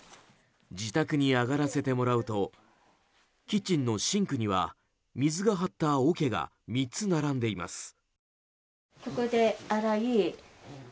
自宅に上がらせてもらうとキッチンのシンクには水が張ったおけが３つ並んでいます。